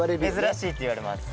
珍しいっていわれます。